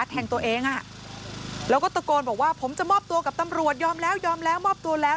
แทงตัวเองอ่ะแล้วก็ตะโกนบอกว่าผมจะมอบตัวกับตำรวจยอมแล้วยอมแล้วมอบตัวแล้ว